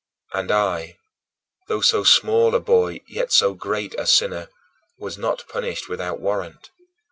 And I though so small a boy yet so great a sinner was not punished without warrant.